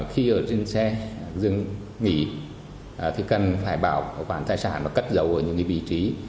khi ở trên xe dừng nghỉ thì cần phải bảo quản thai sản cất dấu ở những vị trí